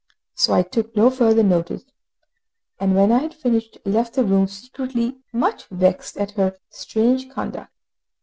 So I took no further notice, and when I had finished left the room, secretly much vexed at her strange conduct.